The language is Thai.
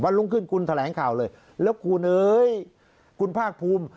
รุ่งขึ้นคุณแถลงข่าวเลยแล้วคุณเอ๋ยคุณภาคภูมิ